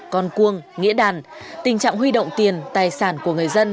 con cuông nghĩa đàn tình trạng huy động tiền tài sản của người dân